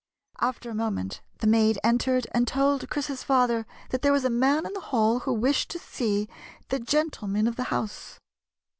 After a moment the maid entered, and told Chris's father that there was a man in the hall who wished to see " the gentle man of the house."